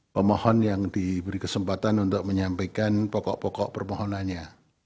pemohon yang diberi kesempatan untuk menyampaikan pokok pokok permohonannya